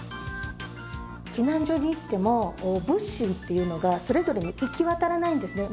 避難所に行っても物資っていうのがそれぞれに行き渡らないんですね。